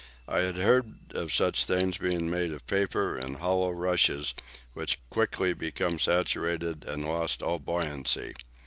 I had heard of such things being made of paper and hollow rushes which quickly became saturated and lost all buoyancy.